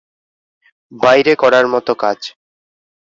বাইরে করার মতো কাজ।